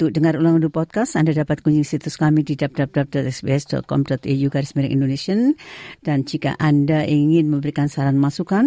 dan jika anda ingin memberikan saran masukan